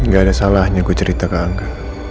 gak ada salahnya gue cerita ke angka